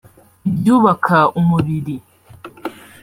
ibyubaka umubiri